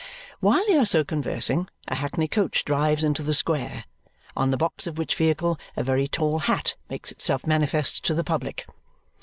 While they are so conversing, a hackney coach drives into the square, on the box of which vehicle a very tall hat makes itself manifest to the public.